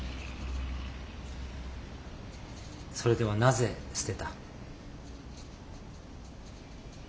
それではなぜ捨てた？